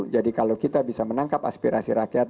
jadi kalau kita bisa menangkap aspirasi rakyat